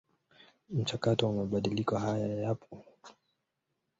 Mchakato wa mabadiliko haya upo katika hatua za mwisho kukamilika.